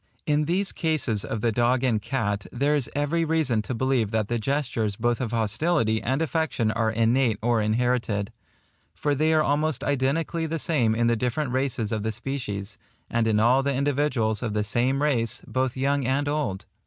In these cases of the dog and cat, there is every reason to believe that the gestures both of hostility and affection are innate or inherited; for they are almost identically the same in the different races of the species, and in all the individuals of the same race, both young and old.